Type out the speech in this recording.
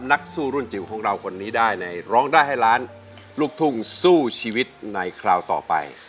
นักสู้รุ่นจิ๋วของเราคนนี้ได้ในร้องได้ให้ล้านลูกทุ่งสู้ชีวิตในคราวต่อไป